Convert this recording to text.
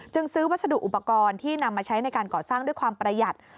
ซื้อวัสดุอุปกรณ์ที่นำมาใช้ในการก่อสร้างด้วยความประหยัด